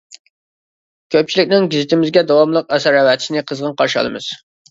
كۆپچىلىكنىڭ گېزىتىمىزگە داۋاملىق ئەسەر ئەۋەتىشىنى قىزغىن قارشى ئالىمىز!